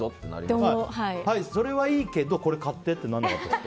それはいいけど、これ買ってとはならなかったんですか。